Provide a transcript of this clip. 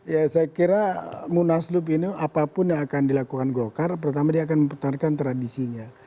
ya saya kira munaslup ini apapun yang akan dilakukan golkar pertama dia akan mempertahankan tradisinya